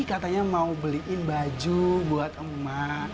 katanya mau beliin baju buat emak